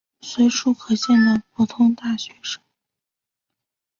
随处可见的普通大学生。